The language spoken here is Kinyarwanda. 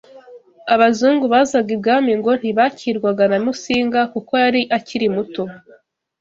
Abazungu bazaga Ibwami ngo ntibakirwaga na Musinga kuko yari akiri muto